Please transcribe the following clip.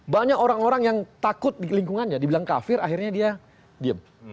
banyak orang orang yang takut di lingkungannya dibilang kafir akhirnya dia diem